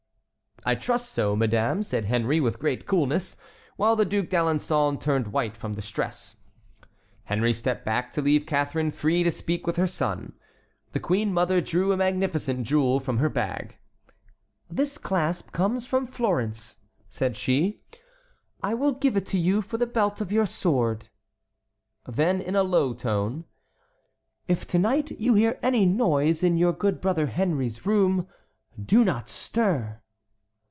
"I trust so, madame," said Henry, with great coolness, while the Duc d'Alençon turned white from distress. Henry stepped back to leave Catharine free to speak with her son. The queen mother drew a magnificent jewel from her bag. "This clasp comes from Florence," said she. "I will give it to you for the belt of your sword." Then in a low tone: "If to night you hear any noise in your good brother Henry's room, do not stir."